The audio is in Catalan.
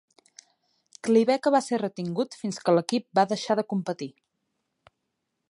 Klivecka va ser retingut fins que l'equip va deixar de competir.